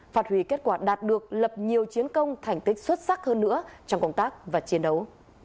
phát huy kết quả đạt được lập nhiều chiến công thành tích xuất sắc hơn nữa trong công tác và chiến đấu